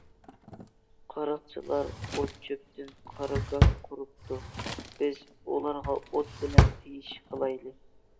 قاراقچىلار ئوت - چۆپتىن قارارگاھ قۇرۇپتۇ، بىز ئۇلارغا ئوت بىلەن تېگىش قىلايلى.